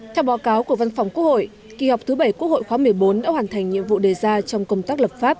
theo báo cáo của văn phòng quốc hội kỳ họp thứ bảy quốc hội khóa một mươi bốn đã hoàn thành nhiệm vụ đề ra trong công tác lập pháp